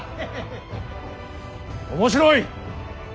面白い。